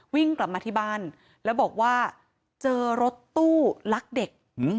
วิ่งกลับมาที่บ้านแล้วบอกว่าเจอรถตู้ลักเด็ก